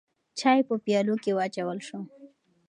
چای په پیالو کې واچول شو.